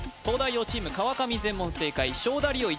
東大王チーム川上全問正解勝田り